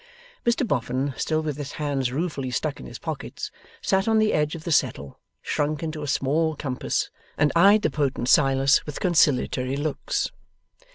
Mr Boffin, still with his hands ruefully stuck in his pockets, sat on the edge of the settle, shrunk into a small compass, and eyed the potent Silas with conciliatory looks.